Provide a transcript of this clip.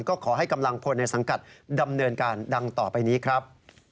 ก็ขอให้กำลังพลในสังกัดดำเนินการดังต่อไปนี้ครับ